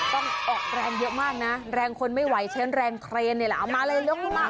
ต้องออกแรงเยอะมากนะแรงคนไม่ไหวเช้นแรงเครนเนี่ยละเอามาเร็วขึ้นมา